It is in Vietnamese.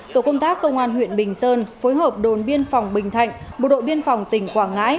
tổ công tác công an huyện bình sơn phối hợp đồn biên phòng bình thạnh bộ đội biên phòng tỉnh quảng ngãi